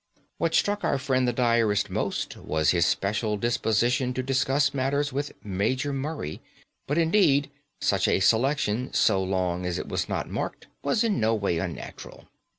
What struck our friend the diarist most was his special disposition to discuss matters with Major Murray; but, indeed, such a selection, so long as it was not marked, was in no way unnatural.